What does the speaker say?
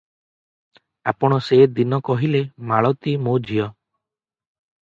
ଆପଣ ସେ ଦିନ କହିଲେ, ମାଳତୀ ମୋ ଝିଅ ।